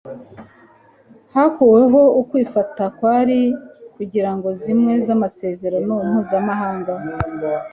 hakuweho ukwifata kwari kungingo zimwe z'amasezerano mpuzamahanga